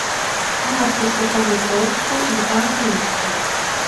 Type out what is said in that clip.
Надпісы па-літоўску і па-англійску.